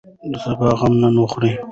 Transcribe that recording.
د سبا غم نن وخورئ.